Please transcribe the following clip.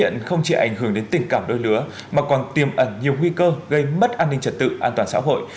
đó xuất hiện không chỉ ảnh hưởng đến tình cảm đôi lứa mà còn tiêm ẩn nhiều nguy cơ gây mất an ninh trật tự an toàn xã hội